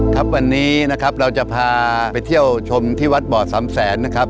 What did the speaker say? ครับวันนี้เราจะพาไปเที่ยวชมที่วัดบ่อ๓๐๐๐๐๐บาท